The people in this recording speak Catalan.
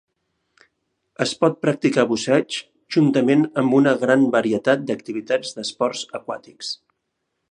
Es pot practicar busseig juntament amb una gran varietat d'activitats d'esports aquàtics.